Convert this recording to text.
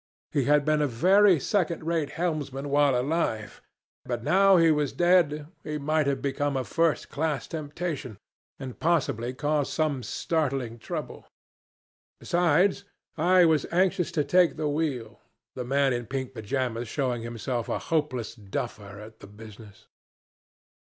He had been a very second rate helmsman while alive, but now he was dead he might have become a first class temptation, and possibly cause some startling trouble. Besides, I was anxious to take the wheel, the man in pink pyjamas showing himself a hopeless duffer at the business.